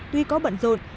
tuy có bận rộn